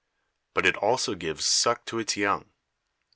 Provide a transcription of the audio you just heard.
But it also gives suck to its young.